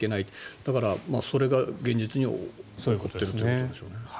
だから、それが現実に起こっているということなんでしょうね。